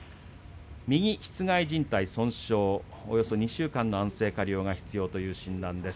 右しつ蓋じん帯損傷、およそ２週間の安静加療が必要という診断です。